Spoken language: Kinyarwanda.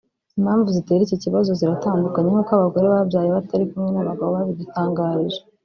Impamvu zitera iki kibazo ziratandukanye nk’uko abagore babyaye batari kumwe n’abagabo babidutangarije